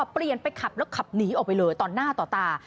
เปลี่ยนไปขับแล้วขับหนีออกไปเลยต่อหน้าต่อตา